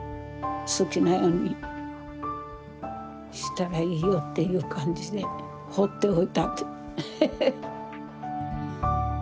好きなようにしたらいいよっていう感じでほっておいたんで。へへっ。